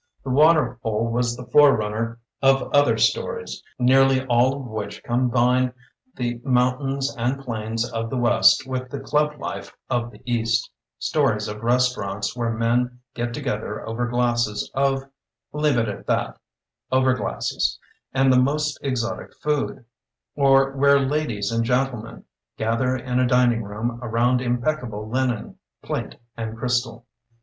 "The Water Hole" was the forerun ner of other stories, nearly all of which combine the mountains and plains of the west with the club life of the east, stories of restaurants where men get together over glasses of — ^leave it at that, over glasses — and the most exotic food ; or where ladies and gentlemen gather in a dining room around impeccable linen, plate, and crystal.